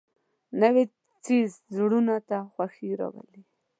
نوی څېز زړونو ته خوښي راولي